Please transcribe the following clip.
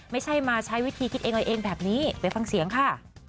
ไม่ใช่มาใช้วิธีคิดเองอะไรเองแบบนี้ไปฟังเสียงค่ะ